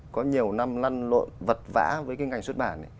có nhiều năm lăn lộn vật vã với cái ngành xuất bản